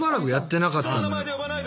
下の名前で呼ばないで。